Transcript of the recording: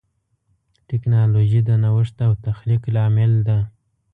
ټکنالوجي د نوښت او تخلیق لامل ده.